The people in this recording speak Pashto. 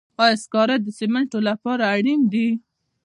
آیا سکاره د سمنټو لپاره اړین دي؟